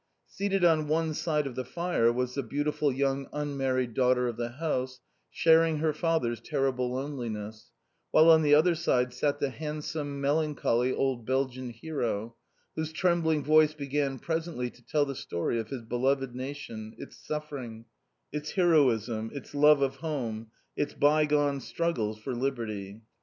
Seated on one side of the fire was the beautiful young unmarried daughter of the house, sharing her father's terrible loneliness, while on the other side sat the handsome melancholy old Belgian hero, whose trembling voice began presently to tell the story of his beloved nation, its suffering, its heroism, its love of home, its bygone struggles for liberty.